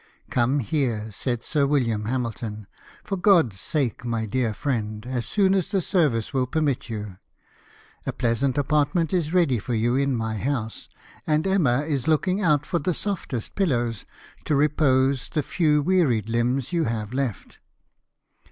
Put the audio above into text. " Come here," said Sir William Hamilton, " for God's sake, my dear friend, as soon as the service will permit you. A pleasant apartment is ready for you in my house, and Emma is looking out for the softest pillows to repose the few wearied hmbs you have left."